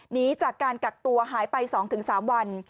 หนีจากการกักตัวหายไป๒๓วัน